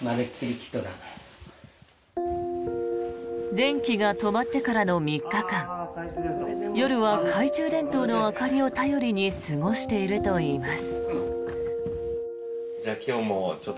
電気が止まってからの３日間夜は懐中電灯の明かりを頼りに過ごしているといいます。